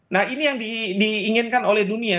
nah ini yang diinginkan oleh dunia